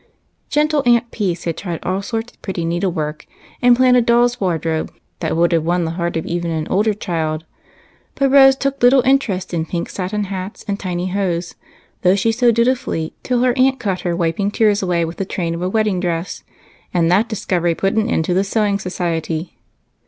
Gentle Aunt Peace had tried all sorts of pretty needle work, and planned a doll's wardrobe that would have won the heart of even an older child. But Rose took little interest in pink satin hats and tiny hose, though she sewed dutifully till her aunt caught her wiping tears away with the train of a wedding dress, and that discovery put an end to the sewing society.